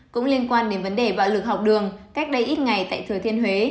cũng liên quan đến vấn đề bạo lực học đường cách đây ít ngày tại thừa thiên huế